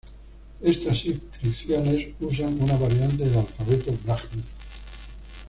Estas inscripciones usan una variante del alfabeto brahmi.